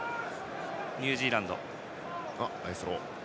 ニュージーランド。